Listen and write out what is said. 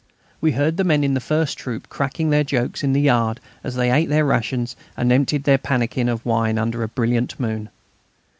We heard the men of the first troop cracking their jokes in the yard as they ate their rations and emptied their pannikin of wine under a brilliant moon.